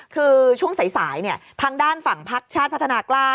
คือช่วงสายทางด้านฝั่งพักชาติพัฒนากล้า